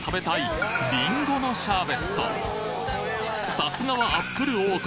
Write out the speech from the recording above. さすがはアップル王国